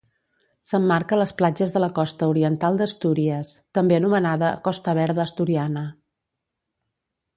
S'emmarca a les platges de la Costa oriental d'Astúries, també anomenada Costa Verda Asturiana.